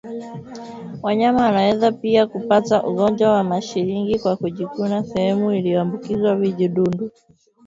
Wanyama wanaweza pia kupata ugonjwa wa mashilingi kwa kujikuna sehemu iliyoambukizwa vijidudu